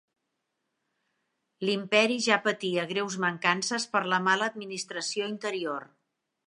L'imperi ja patia greus mancances per la mala administració interior.